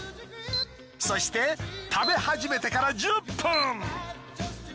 そして食べ始めてから１０分。